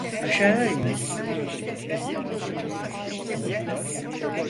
Aşağı in!